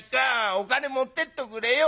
お金持ってっとくれよ。